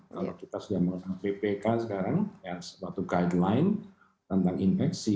kalau kita sudah mengambil ppk sekarang yang sebuah guideline tentang infeksi